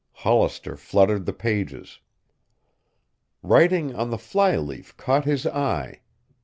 Hollister fluttered the pages. Writing on the flyleaf caught his eye.